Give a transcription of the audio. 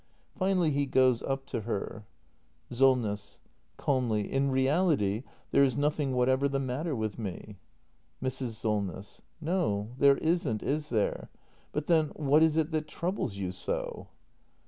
Finally he goes up to her. Solness. [Calmly.] In reality there is nothing whatever the matter with me. Mrs. Solness. No, there isn't, is there? But then what is it that troubles you so